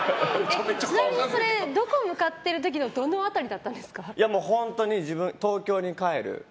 ちなみにどこに向かってる時のどの辺りだったんですか？